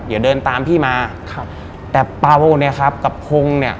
เดี๋ยวเดินตามพี่มาครับแต่เปล่าเนี่ยครับกับพงศ์เนี่ย